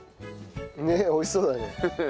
ねえ美味しそうだね。